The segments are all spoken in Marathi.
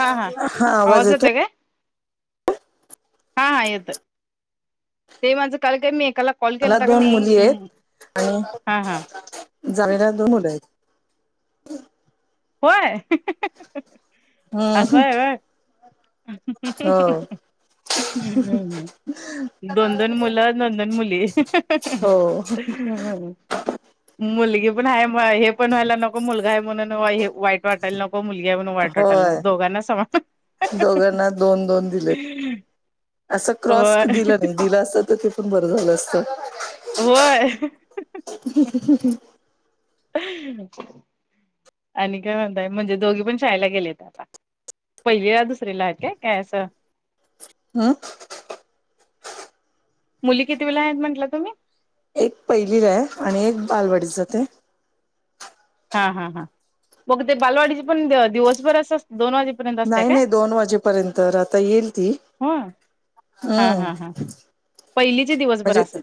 हा हा आवाज येते काय? हा हा येत ते माणझं काल काय मी एकाला कॉल मला केलता का दोन नाही मुली हम्म आहेत हा हा आणि जामीला दोन मुलं आहेत. होय. असं हम्म. आहे होय [unintelligible] दोन दोन मुलं दोन दोन मुली हो हम्. मुलगी पण आहे म हे पण व्हायला नको मुलगा आहे म्हणून हे वाईट वाटायला नको. मुलगि म्हणून वाट वाटलला होय दोघांना स दोघांना दोन दोन दिलेत असं क्रॉस दिला नाही दिला असत तर ते पण बरं झालं असत. होय. आणि काय म्हणताय म्हणजे दोघी पण शाळेला गेलेत आता पहिलेला दुसरेला काय काय असं. हम. मुली किती वेला आहेत म्हटला तुम्ही? एक पहिलीला आहे आणि एक बालवडीत जाते. हा हा हां मग ते बालवाडीचे पण दिवसभर अस दोन वाजे नाही नाही दोन वाजेपर्यंत आता येईल ती ह. हम्म पहिलीचे दिवसभर म्हणजे असत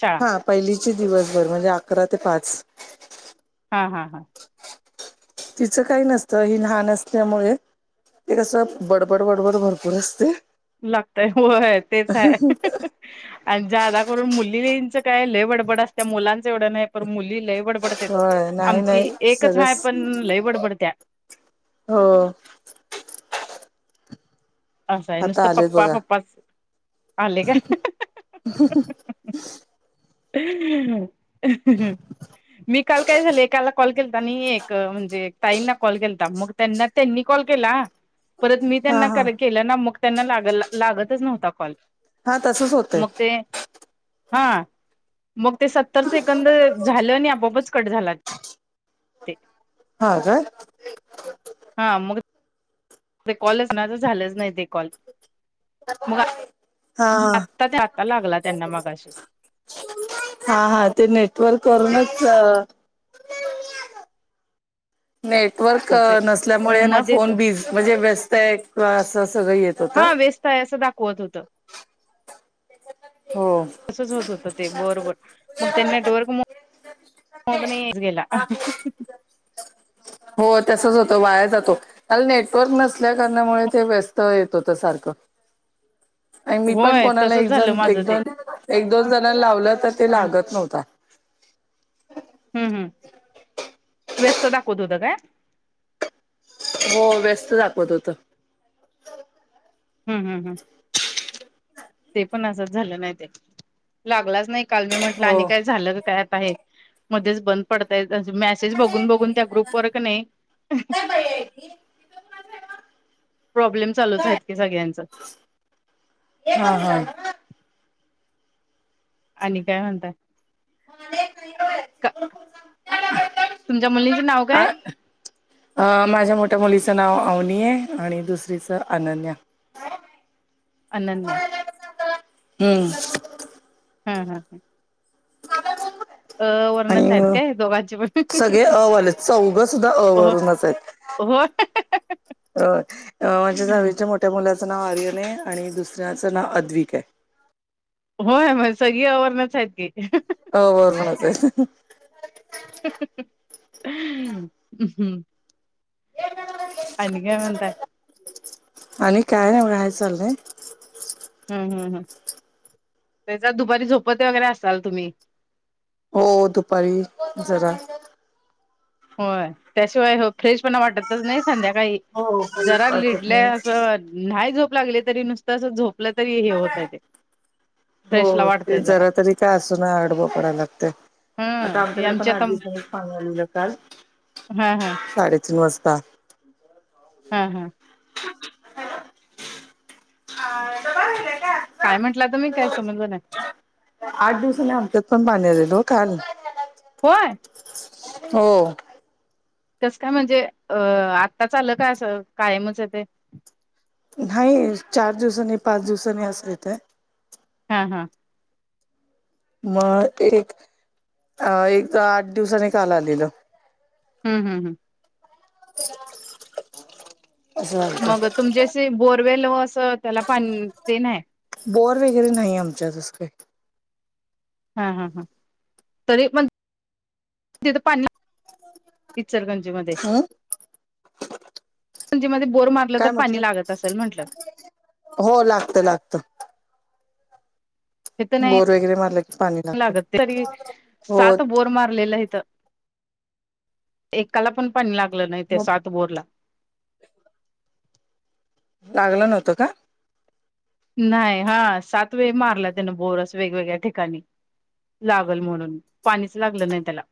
शाळा. हा. पहिलीचे दिवसभर म्हणजे अकरा ते पाच हा हा हा. तिचं काही नसतं हे लहान असल्यामुळे एक कसं बडबड बडबड भरपूर असते. लागतय हो तेच आहे. आणि जादा करून मुलींच काय लयबडबड असत मुलांच एवढं नाही पण मुली लय. डबडत होय नाही आमची नाही एकच हा सगळंच पण लईबडबडत्या. हो. असं आहे आता नुसतं आलेत पप्पा बघा. पप्पाच आले का? ह. ह. मी काल काय झालं एकाला कॉल केलता आणि एक म्हणजे ताईंना कॉल केलता मग त्यांना त्यांनी कॉल केला. परत मी हा त्यांना हा. कर केलं ना मग त्यांना लाग लागतच नव्हता कॉल. हा तसच होतय मग ते हा. मग ते सत्तर सेकंद झालं आणि आपआपच कट झाला ते ह. हा मग ते कॉलच नाहीझ झालंच नाही ते कॉल. आ. हा हा. त्या आता लागला त्यांना मगाशी हा हा ते नेटवर्क ते वूनच नेटवर्क तसे नसल्यामुळे ना मध्येच फोन बी म्हणजे व्यस्त आहे किंवा असं सगळं येत होत. हा व्यस्त असं दाखवत होतं. हो. त होत होत ते बरोबर मग नेटवर्क मोठ मग गेला. हो तसच होतं वाया जातो. काल नेटवर्क नसल्या कारणामुळे ते व्यस्त येत होत सारखं. आणि मी पण होय कोणाला तसच एक झालं जण माझं एक ते दोन एक दोन जण लावलं तर ते ह लागत नव्हता. हम्म हम् व्यस्त दाखवत होत काय....? हो व्यस्त दाखवत होत. हम् हम् हं ते पण असंच झालं नाही ते लागलाच नाही काल मी म्हटलं हो. आणि काय झालं काय आत आहे. मध्येच बंद पडताय मॅसेज बघून बघून त्या ग्रुप वर कना प्रॉब्लेम चालूच आहेत की सगळ्यांच. हा हा आणि काय म्हणताय. तुमच्या मुलींचे नाव काय आहे...? हा. माझ्या मोठ्या मुलीचं नाव अवनी आहे आणि दुसरीचं अनन्या. अनन्या हम्म हां हां हां अ वर्णच आणि आहेत काय दोघांची सगळे पण अ वाले चौघ सुद्धा अ हो. वरूनच आहेत. हो अ माझ्या जावच्या मोठ्या मुलाचं नाव आर्यन आहे आणि दुसऱ्याचं नाव अद्विक आहे. होय म सगळी आ वरणच आहेत की. अ वरणच आहे. [unintelligible] हम्म आणिन काय म्हणताय. आणि काय नाही हाय बघा चालय. हम्म हम् हम त्याच्यात दुपारी झोपट वगैरे असाल तुम्ही. हो दुपारी जरा. होय त्याशिवाय हो फ्रेश पण वाटतच नाही संध्याकाळी. हो जरा काहीच वाटत लिडलंय नाही. असं नाही झोप लागले तरी नुसतं असं झोप. होतय ते. हो फ्रेशला ते वाटतय जरा तरी काय असून आडवं पडायला लागतय आता हं हे आमच्याकडे पण आमची अर आता [unintelligible] पाणी आलेलं काल हा हा साडेतीन वाजता. हा हा हाता बरलाय का काय म्हटलं तुमी काय संमजल नाही. आठ दिवसनी आमच्यात पण पाणी आलेल हो काल. होय. हो कस काय म्हणजे अ आत्ताच अलं काय असं कायमच येतय. नाही चार दिवसानी पाच दिवसानी असं येतं. हा हा मग एक एक आठ दिवसाने काल आलेलं हम् हम हम असं वागत तुमचेे बोरवेल असं त्याला पाणीते नाही बोर वगैरे नाही आमच्या तस काय. हा हा हा तरी म तथ पाणी इचरगंजी हम् मध्येजी मध्ये बोरम आपलं तर काय पाणी म्हटलं लागत असेल म्हटलं हो लागत लागतं हे तर नाही बोर वगैरे मारलं की पाणी लागतं लागत तरी हो सात बोर मारलेलं इथं एकाला पण पाणी लागलं नाही ते मग सात बोरला लागलं नव्हतं का नाही हा सात वेळ मारला त्यान बोरस वेगवेगळ्या ठिकाणी लागल म्हणून पाणीच लागलं नाही त्याला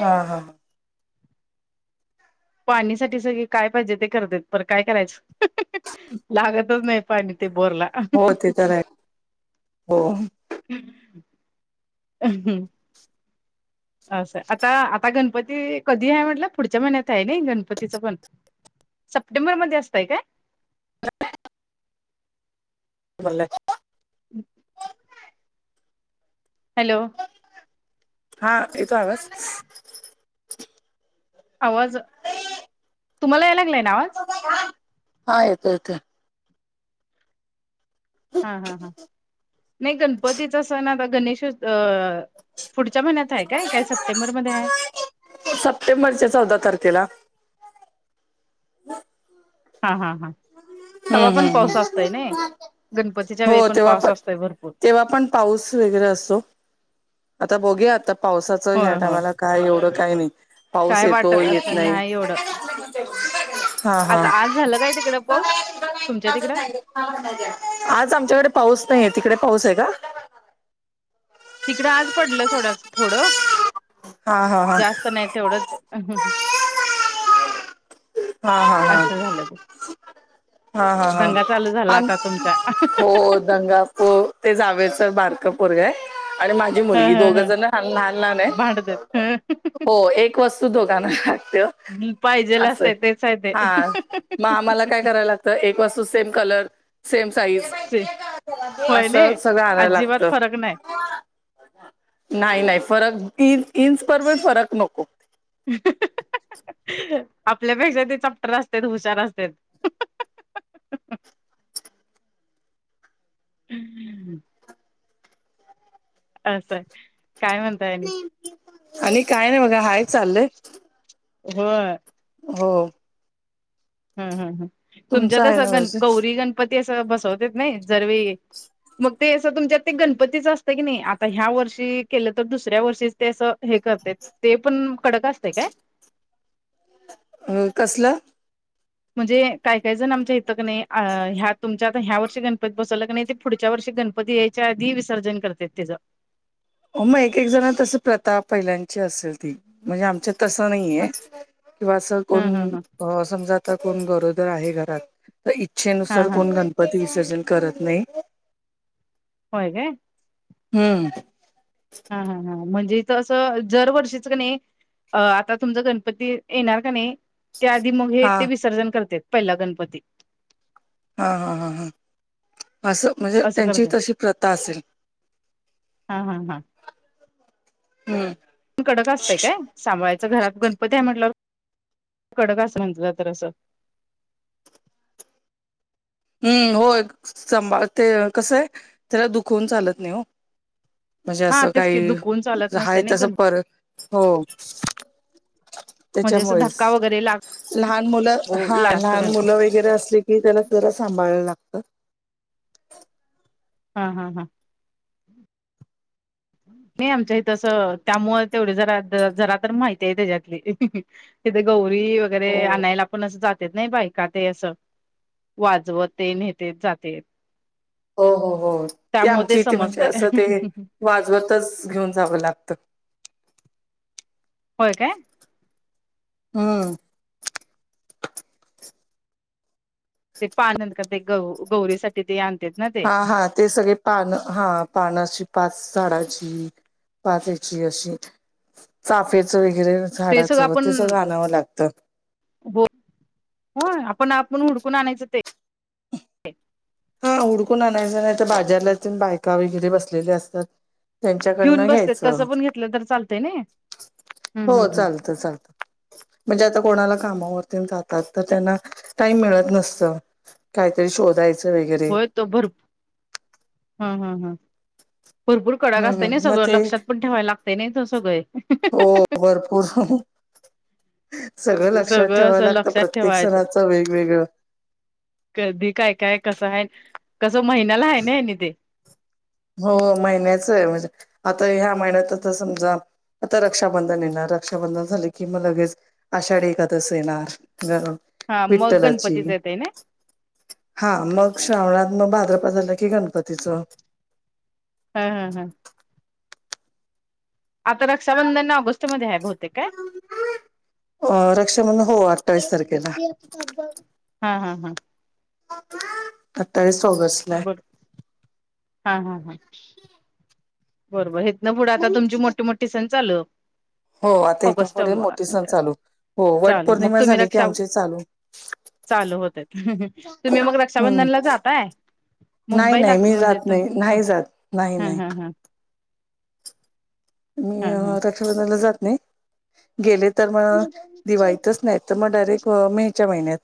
हा हा ह पाणी साठी सगळी काय पाहिजे ते करतेत पर काय करायचं लागत नाही पाणी ते बोरला हो ते तर आहे हो हम् असं आता आता गणपती कधी आहे म्हटलं पुढच्या महिन्यात आहे नाही गणपतीचं पण सप्टेंबर मध्ये असतय का बला हम् हॅलो हा इथ आव आवाज तुम्हाला याय लागला ना आवाज हा येतो येत हा हा हा नाही गणपतीचा सण आता गणेश अ पुढच्या महिन्यात आहे काय काय सप्टेंबरमध्येध्ये आहे सप्टेंबरच्या चौदा तारखेला हा हा हा तवा हम्म पण हम्म पाऊस असतय ना हम्म. गणपतीच्या वेळे हो पण तेव्हा पाऊस असतोय भरपूर तेव्हा पण पाऊस वगैरे असतो आता बघया आता पावसाचा ह्या होय होय टामाला काय एवढं काही नाही पाऊस काय येतो वाटत येत असं नाही एवढं हा हा आता आज झालं काय तिकडें आज आमच्याकडे पाऊस नाहीय तिकडे पाऊस आहे का तिकडं आज पडलं सथोडं थोडं हा हा हा जास्त नाही तेवढंच हा असं झालं हा ते हा हा हा दंगा चालू झाला हा आता तुमचा हो गंगा पो ते जावेच बारकम माझी ह मुली ह दोघ ह जण लान लान भांडत आहे वस्तू दोकान खतेो पाहिजेल असत तेच आहे ते हा मग आम्हाला काय कराय लागतं एक वास्तू सेम कलर सेम साईज से होय असं नाही सगळं आणायला लागत अजिबात फरक नाही नाही नाही फरक इ इंसप फरक नको आपल्यापेक्षा ते चप्टर असते हुशार असते हम्म हम् असं काय म्हणताय आणि काय नाही बघा हाय चाललंय हो हो हम् हम हम तुमचं आहे ना तुमच्यातसं गण व्यवस्थित गौरी गणपती असं बसवतेत नाही जर मग ते असं तुमच्यात ते गणपतीचं असतं की नाही आता ह्या वर्षी केलं तर दुसऱ्या वर्षी ते असं हे करते ते पण कडक असते काय? अ कसलं? म्हणजे कायही काही जण आमच्या हथक नाही ह्या तुमच्या आता ह्या वर्षी गणपती बसवलं क नाही ते पुढच्या वर्षी गणपती याय. ध विसर्जन करत त्याचं. हो मग एक एक जण तस प्रताप पहिल्यांची असेल ती म्हणजे आमच्या तस नाहीय किंवा असं हा कोण? हा हा अ समजा आता कोण गरोदर आहे घरात तर हा इच्छेनुसार हा कोण गण विसर्जन करत नाही. होय काय? हम्म. हा हा हां म्हणजे असं जरवर्षीच कणी नाही आता तुमचा गणपती येणार का नाही. त्याआधी मग हे हा ते विसर्जन करत्यात पहिला गणपती, हा हा हा हा असं म्हणजे असं त्यांची करतात तशी प्रथा असेल. हा हा हा. हम्म. कडक असतय काय सांभाळायच घरात गणपती आहे म्हटलावर कडक असलं म्हटलं तर असं. हम्म होय सांभाळतय कसं आहे त्याला दुखवून चालत नाही ह. म्हणजे हा असं तेच की काही दुखवून चालत आहे नसते ना तसं गण पर हो. म्हणजे असं धक्का वगैरे लाग त्याच्यामुळेच लहान मुलं हा जास्त लहान गण मुलं वगैरे असली की त्यानासनी जरा सांभाळला लागत. हा हा हा. नाही आमच्या हितं असं त्यामुळं तेवढी जरा जरा तर माहिती आहे त्याच्यातली तिथे गौरी वगैरे हो आणायला ला आपण असं जात्यात ने बायका ते असं वाजवत तेण नेतेत जातेत. हो हो हो ते आमची इथे म्हणजे असं ते वाजवतच घेऊन जावं लागतं. होय काय? हम्म. ते पान नंतर ते ग गौरीसाठीठी ते आणत्यात. हा हा ते सगळे पानं हा पानं अशी पाच झाडाची पाचची अशी चाफेच वगैरे ते सगळं झाडाचं ते सगळं आणावं लागतं. बो होय आपण आपण हुडकून आणायचं ते हा उडकून आणायचं नाही तर बाजारला बायका वगैरे बसलेल्या असतात. घेऊन त्यांच्याकडनं बसते घ्यायचं तसं पण घेतलं तर चालतंय ना हम् हो हम् हम चालतं चालतं. म्हणजे आता कोणाला कामावरती जातात तर त्यांना टाइम मिळत नसत. काहीतरी शोधायचं वगैरे भर हा हा हा भरपूर कडाक हम्म अस हम्म मग सगळ ते लक्षात पण ठेवाय लागत नाही त सगळं ह्. हो भरपूर सगळं लक्षात सगळं ठेवावं असं लागतं लक्षात प्रत्येक ठेवायचं सणाचं वेगवेगळं कधी काय काय कसं आहे कसं महिन्याला आहे ना आहे नि तेे हो महिन्याच आहे म्हणजे आता ह्या महिन्यात आ तर समजा. आता रक्षाबंधन येणार रक्षाबंधन झाले की मग लगेच-‍- आषाढी एकादस येणार हा मग विठ्ठलाची गणपतीच येतय ना हा मग श्रावणात मग भाद्रप झालं की गणपतीचं हा हा हा. आता रक्षाबंधन ऑगस्टमध्ये आहे भवते. अ रक्षाबंधन हो अठ्ठावीस तारखेला, हा हा हा अठ्ठावीस ऑगस्टला आहे, बर हा हा हा बरोबर हितनं पुढं आता तुमची मोठी मोठी सण चालू, हो आता इथून ऑगस्ट पुढे मोठे सण चालू हो वट चालू मग पौर्णिमा तुम्ही झाली की रक्षा आमची चालू, चालू होत तुम्ही मग हम्म रक्षाबंधनला जाताय नाही मुंबईला नाही मी म्हणजे जात हम नाही नाही जात नाही हम नाही हम ह मी ह ह रक्षाबंधला जात नाही गेले तर मग दिवाळीतच नाही तर मग डायरेक्ट मेच्या महिन्यात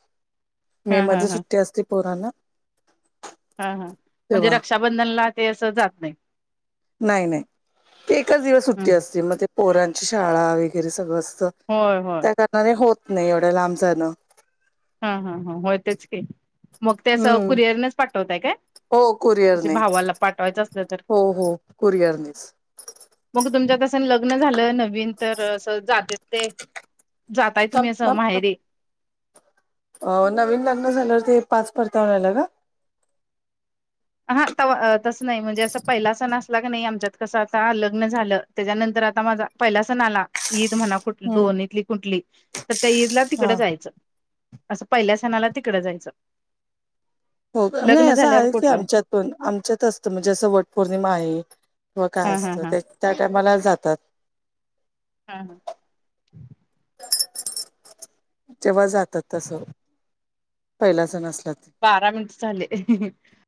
मे हा हा मध्ये हा सुट्टी असते पोरना हा हा म्हणजे रक्षाबंधनला ते असं जात नाही नाही नाही एकाच दिवस सुट्टी असते मग ते पोरांची शाळा वगैरे सगळं असतं होय होय त्या कारणाने होत नाही एवढ्या लांब जाणं हा हा ह होतेच की मग ते असं हम्म कुरिअर नच पाठवताय काय हो असे कुरिअरने भावाला पाठवायचं असल तर हो हो कुरिअरनेच मग तुमच्या कसं लग्न झालं न न तर अस जाते ते जाताय थांब तुम्ही असं थांब माहेरीे थांब अ नवीन लग्न झालंवर ते पाच परताव लालं का हा तसं नाही म्हणजे असं पहिलासा नसला की नाही आमच्यात कसं आता लग्न झालं त्याच्यानंतर आता माझा पहिला सण आला ईद म्हणा कुठ हम्म दोन इथली कुठली तर त्या ईदला तिकड हा जायचं असं पहिल्या सणाला तिकडं जायचं हो नाही लग्न असं झाल्यावर आहे की कुठलं आमच्यात पण आमच्यात असतं म्हणजे जं वट पौर्णिमा आहे किंवा काय हा हा असतं हा ते त्या टायमाला जातात हा हा जेव्हा जातात तस पहिला जणसला त बारा मिनिट चाले